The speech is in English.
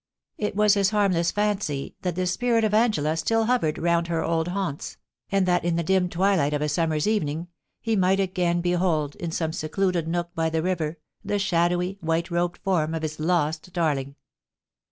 It was his harm less fancy that the spirit of Angela still hovered round her old haunts, and that in the dim twilight of a summer's even ing he might again behold in some secluded nook by the river the shadow7, white robed form of his lost darling.